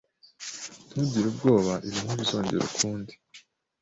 Ntugire ubwoba. Ibi ntibizongera ukundi.